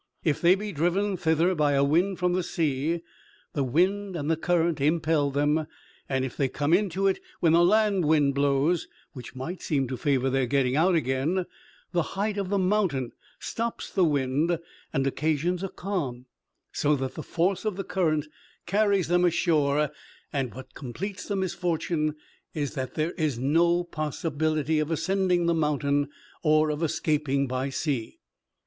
If they be driven thither by a wind from the sea, the wind and the current impel them; and if they come into it when a land wind blows, which might seem to favor their getting out again, the height of the mountain stops the wind, and occasions a calm, so that the force of the current carries them ashore: and what completes the misfortune is that there is no possibility of ascending the mountain, or of escaping by sea.